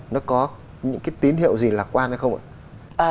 nó có những cái tín hiệu gì lạc quan hay không ạ